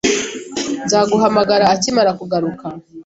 Nzaguhamagara akimara kugaruka